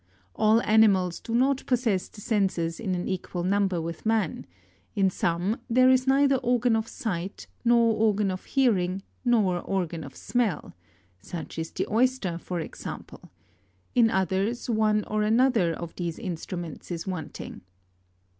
(3. All animals do not possess the senses in an equal number with man; in some, there is neither organ of sight, nor organ of hearing, nor organ of smell; such is the oyster for example : in others, one or another of these instruments is wanting.